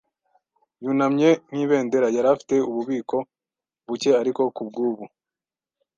yunamye nk'ibendera. Yari afite ububiko-buke ariko kubwubu.